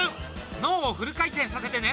脳をフル回転させてね。